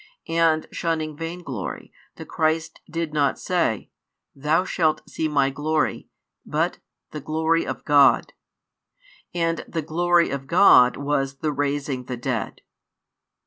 And shunning vainglory, the Christ did not say: Thou shalt see My glory, but: the glory of God. And the glory of God was the raising the dead.